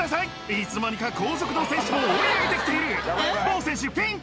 いつの間にか後続の選手も追い上げてきているボー選手ピンチ！